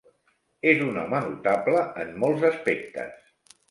És un home notable en molts aspectes.